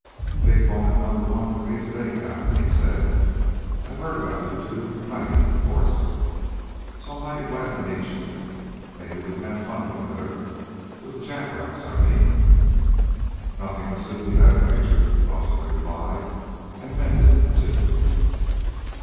"Big moment Number One for me today, Captains," he said. "I've heard about you two plenty, of course. So I'm mighty glad to meet you. Maybe we can have fun together. With the Jap rats, I mean." "Nothing would suit me better, Major," Dawson replied, and meant it, too.